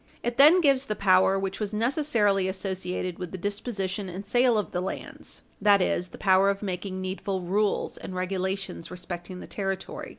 It then gives the power which was necessarily associated with the disposition and sale of the lands that is, the power of making needful rules and regulations respecting the territory.